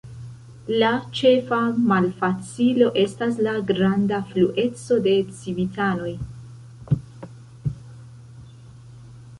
La ĉefa malfacilo estas la granda flueco de civitanoj.